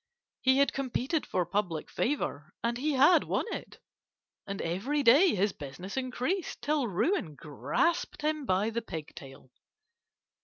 He had competed for public favour, and he had won it, and every day his business increased till ruin grasped him by the pigtail.